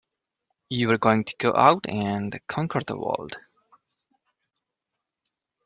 You were going to go out and conquer the world!